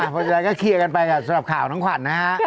พวกเราก็เคลียร์กันไปกันสำหรับข่าวตรงขวัญนะฮะ